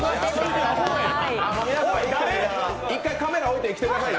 一回カメラ置いて来てくださいよ。